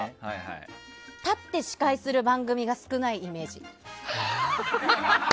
立って司会する番組が少ないイメージ。